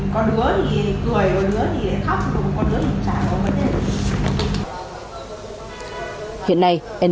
có đứa thì cười có đứa thì khóc có đứa thì chả có mất hết